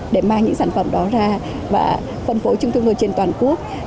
để mang những sản phẩm đó ra và phân phối chung thương đối trên toàn quốc